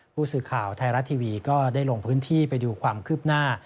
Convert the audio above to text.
ผู้สื่อข่าวไทยรัฐทีวีก็ได้ลงพื้นที่ไปดูความคืบหน้า